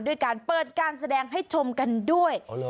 ด้วยการเปิดการแสดงให้ชมกันด้วย